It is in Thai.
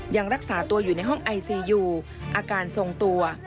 ยังรักษาตัวอยู่ในห้องไอซียูอาการทรงตัว